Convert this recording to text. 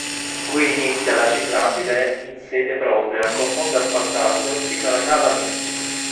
Qui inizia la ciclabile in sede propria con fondo asfaltato fino alla cava Mizzi.